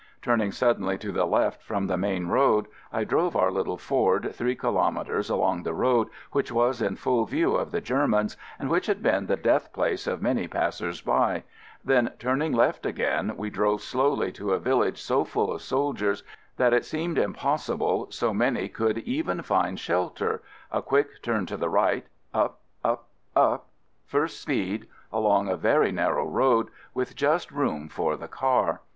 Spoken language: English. Turn ing suddenly to the left from the main road, I drove our little Ford three kilo metres along the road, which was in full view of the Germans and which had been the death place of many passers by, then turning left again we drove slowly to a village so full of soldiers that it seemed impossible so many could even find shel ter — a quick turn to the right — up — up — up — first speed — along a very narrow road with just room for the car.